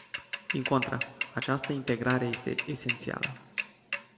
Din contră, această integrare este esențială!